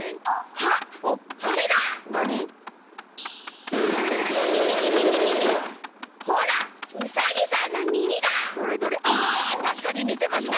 あたしかににてますな！